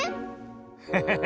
ハハハハ。